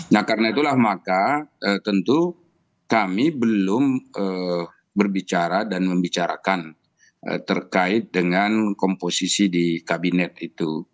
nah karena itulah maka tentu kami belum berbicara dan membicarakan terkait dengan komposisi di kabinet itu